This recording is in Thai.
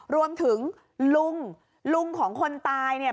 รวมถึงลุงลุงของคนตายเนี่ย